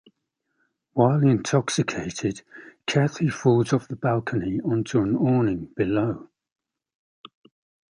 While intoxicated, Cathy falls off the balcony onto an awning below.